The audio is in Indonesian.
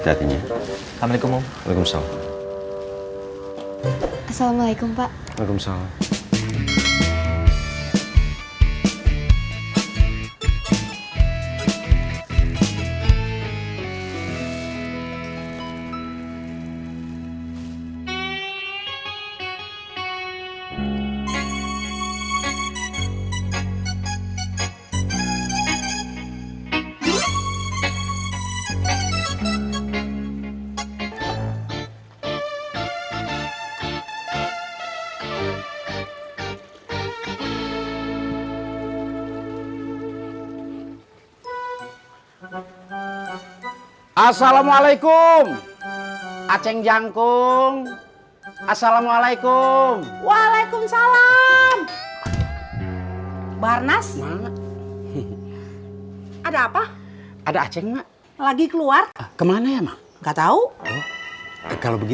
katanya kamu mau makan bapak udah jauh jauh beli